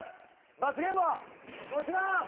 罰ゲームはこちら！